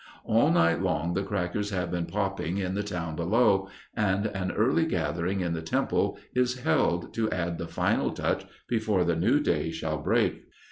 All night long the crackers have been popping in the town below, and an early gathering in the temple is held to add the final touch before the new day shall break.